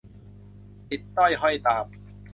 ติดต้อยห้อยตาม